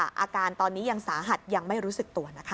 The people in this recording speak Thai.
อาการตอนนี้ยังสาหัสยังไม่รู้สึกตัวนะคะ